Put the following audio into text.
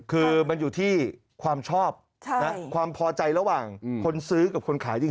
คือมันอยู่ที่ความชอบความพอใจระหว่างคนซื้อกับคนขายจริง